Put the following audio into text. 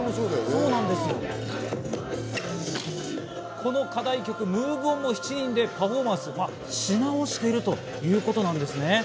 この課題曲『ＭｏｖｅＯｎ』も７人でパフォーマンスし直しているということなんです。